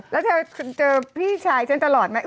แล้วเธอเจอพี่ชายฉันตลอดไหม